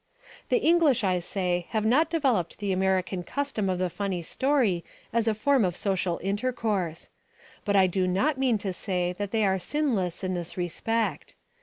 The English, I say, have not developed the American custom of the funny story as a form of social intercourse. But I do not mean to say that they are sinless in this respect.